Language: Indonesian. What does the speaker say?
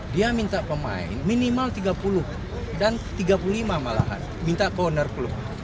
dia minta pemain minimal tiga puluh dan tiga puluh lima malahan minta cowner klub